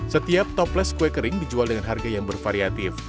setiap toples kue kering dijual dengan harga yang bervariatif